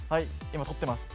今撮ってます。